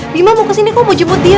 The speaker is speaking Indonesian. bima mau kesini kok mau jemput dia